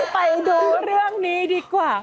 ไปดูเรื่องนี้ดีกว่า